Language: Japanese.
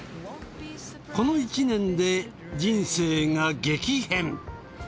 この１年で人生が激変。